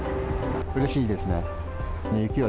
うれしいですね。